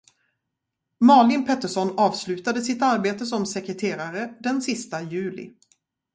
Malin Pettersson avslutade sitt arbete som sekreterare den sista juli.